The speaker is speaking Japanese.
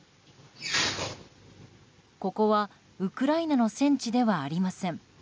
ここはウクライナの戦地ではありません。